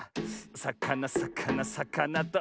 さかなさかなさかなと。